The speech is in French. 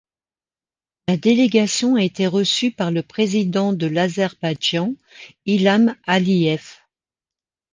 La délégation a été reçue par le président de l'Azerbaïdjan, Ilham Aliyev.